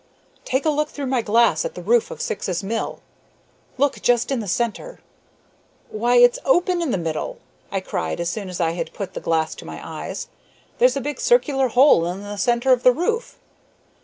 "Take a look through my glass at the roof of Syx's mill. Look just in the centre." "Why, it's open in the middle!" I cried as soon as I had put the glass to my eyes. "There's a big circular hole in the centre of the roof."